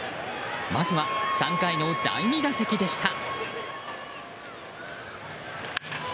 まずは、３回の第２打席でした。